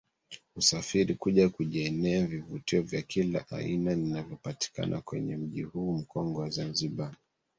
Husafiri kuja kujionea vivutio vya kila aina vinavyopatikana kwenye mji huu mkongwe wa Zanzibar